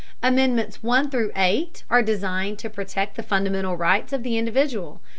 Amendments I VIII are designed to protect the fundamental rights of the individual.